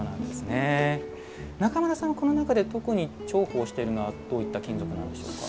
中村さんはこの中で特に重宝してるのはどういった金属なんでしょうか？